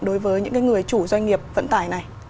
đối với những người chủ doanh nghiệp vận tải này